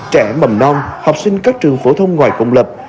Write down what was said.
trẻ mầm non học sinh các trường phổ thông ngoài công lập